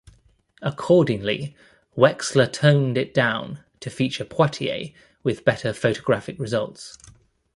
Accordingly, Wexler toned it down to feature Poitier with better photographic results.